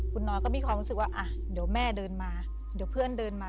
คุณน้อยก็มีความรู้สึกว่าอ่ะเดี๋ยวแม่เดินมาเดี๋ยวเพื่อนเดินมา